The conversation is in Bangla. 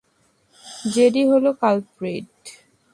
জেডি হলো কালপ্রিট।